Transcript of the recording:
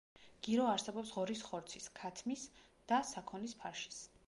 გირო არსებობს ღორის ხორცის, ქათმის და საქონლის ფარშის.